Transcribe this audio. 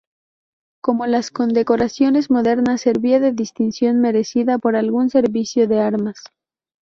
Como las condecoraciones modernas servía de distinción merecida por algún servicio de armas.